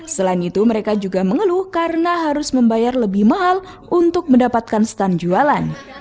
selain itu mereka juga mengeluh karena harus membayar lebih mahal untuk mendapatkan stand jualan